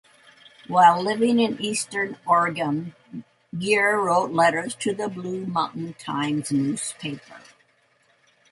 While living in Eastern Oregon, Geer wrote letters to the "Blue Mountain Times" newspaper.